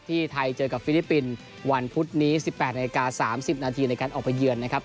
ไทยเจอกับฟิลิปปินส์วันพุธนี้๑๘นาฬิกา๓๐นาทีในการออกไปเยือนนะครับ